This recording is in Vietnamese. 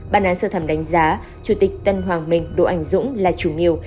bản án sơ thẩm đánh giá chủ tịch tân hoàng minh đỗ anh dũng là chủ nghiều